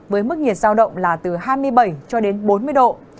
với mức nhiệt giao động là từ hai mươi bảy cho đến bốn mươi độ